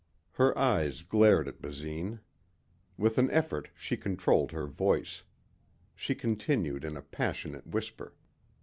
Her eyes glared at Basine. With an effort she controlled her voice. She continued in a passionate whisper.